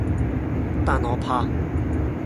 但我怕